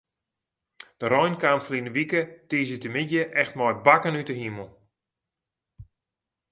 De rein kaam ferline wike tiisdeitemiddei echt mei bakken út de himel.